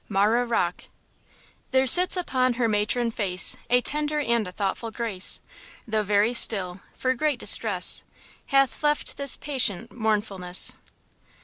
MARAH ROCKE. "There sits upon her matron face A tender and a thoughtful grace, Though very still–for great distress Hath left this patient mournfulness."